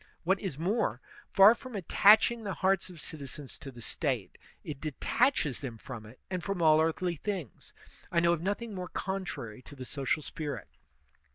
What is more, far from attaching the hearts of citizens to the State, it detaches them from it and from all earthly things. I know of nothing more contrary to the social spirit.